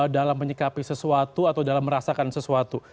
dalam menyikapi sesuatu atau dalam merasakan sesuatu